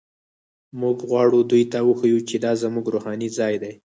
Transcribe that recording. موږ غواړو دوی ته وښیو چې دا زموږ روحاني ځای دی.